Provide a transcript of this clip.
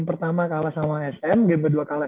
pertama kalah sama sn game kedua kalah